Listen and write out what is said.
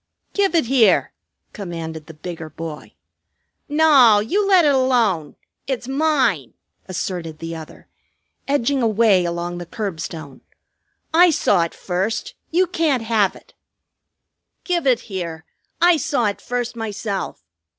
"Give it here!" commanded the bigger boy. "Naw! You let it alone! It's mine!" asserted the other, edging away along the curbstone. "I saw it first. You can't have it." "Give it here. I saw it first myself.